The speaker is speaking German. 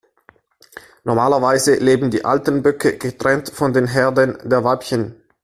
Normalerweise leben die alten Böcke getrennt von den Herden der Weibchen.